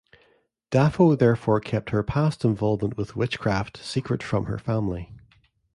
Dafo therefore kept her past involvement with witchcraft secret from her family.